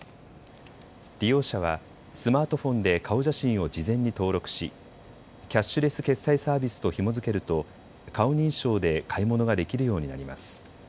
利用者はスマートフォンで顔写真を事前に登録しキャッシュレス決済サービスとひも付けると顔認証で買い物ができるようになります。